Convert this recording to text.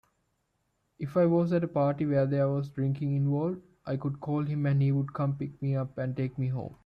If I was at a party where there was drinking involved, I could call him and he would come pick me up and take me home.